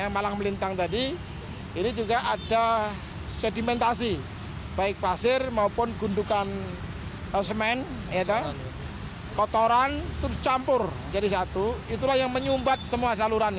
malang melintang tadi ini juga ada sedimentasi baik pasir maupun gundukan semen kotoran terus campur jadi satu itulah yang menyumbat semua saluran